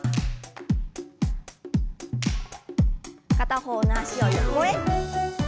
片方の脚を横へ。